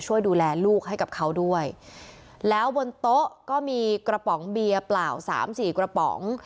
ช่วยดูแลลูกให้กับเขาด้วยแล้วบนโต๊ะก็มีกระป๋องเบียร์เปล่าสามสี่กระป๋อง